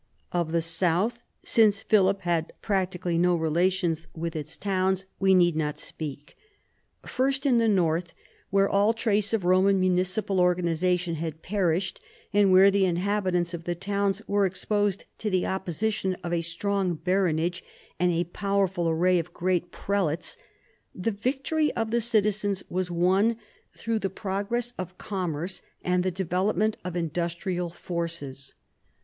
Of the south, since Philip had practically no relations with its towns, 148 PHILIP AUGUSTUS chap. we need not speak. First, in the north, where all trace of Roman municipal organisation had perished, and where the inhabitants of the towns were exposed to the opposition of a strong baronage and a powerful array of great prelates, the victory of the citizens was won through the progress of commerce and the development of industrial forces.